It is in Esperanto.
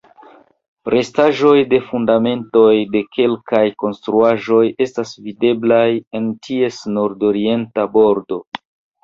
Restaĵoj de fundamentoj de kelkaj konstruaĵoj estas videblaj en ties nordorienta bordo.